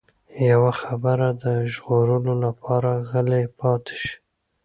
يوه خبره د ژغورلو لپاره غلی پاتې شي.